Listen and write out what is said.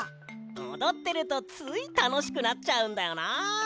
おどってるとついたのしくなっちゃうんだよな。